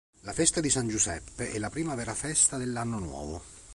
La festa di San Giuseppe è la prima vera festa dell'anno nuovo.